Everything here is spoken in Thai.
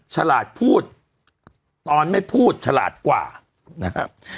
ฉลาดพูดตอนไม่พูดฉลาดกว่านะครับ